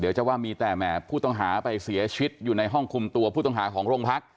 จะว่ามีแต่แหมผู้ต้องหาไปเสียชีวิตอยู่ในห้องคุมตัวผู้ต้องหาของโรงพัก